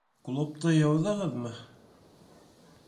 Клубты йыуҙығыҙмы?